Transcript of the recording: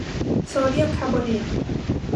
โซเดียมคาร์บอเนต